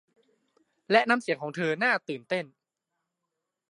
และน้ำเสียงของเธอน่าตื่นเต้น